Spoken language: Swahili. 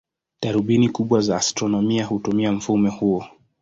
Darubini kubwa za astronomia hutumia mfumo huo.